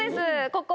ここ！